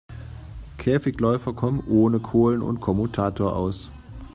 Käfigläufer kommen ohne Kohlen und Kommutator aus.